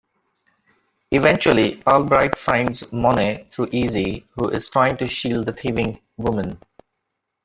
Eventually, Albright finds Monet through Easy, who is trying to shield the thieving woman.